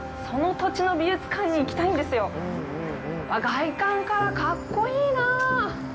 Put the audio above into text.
外観から、かっこいいな。